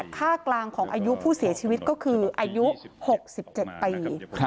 ค่ากลางของอายุผู้เสียชีวิตก็คืออายุ๖๗ปี